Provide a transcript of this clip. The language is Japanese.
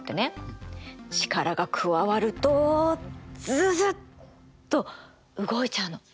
力が加わるとズズッと動いちゃうの。